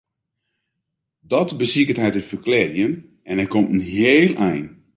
Dat besiket hy te ferklearjen en hy komt in heel ein.